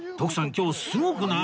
今日すごくない？